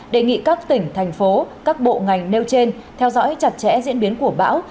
đề nghị các tỉnh thành phố các bộ ngành nêu trên theo dõi chặt chẽ diễn biến của bão